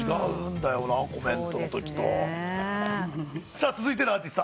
さあ続いてのアーティスト。